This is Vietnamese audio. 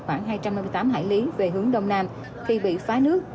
khoảng hai trăm năm mươi tám hải lý về hướng đông nam thì bị phá nước